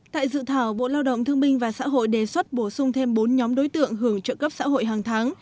tại dự thảo bộ lao động thương minh và xã hội đề xuất bổ sung thêm bốn nhóm đối tượng hưởng trợ cấp xã hội hàng tháng